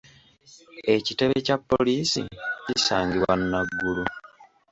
Ekitebe kya poliisi kisangibwa Naguru.